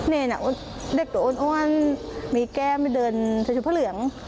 เนรนด์เด็กโอ้นมีแก้มเดินชุดผ้าเหลือง